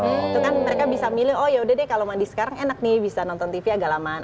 itu kan mereka bisa milih oh yaudah deh kalau mandi sekarang enak nih bisa nonton tv agak lamaan